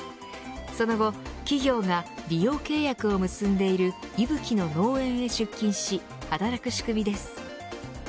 その後、企業が利用契約を結んでいるＩＢＵＫＩの農園へ出勤し働く仕組みです。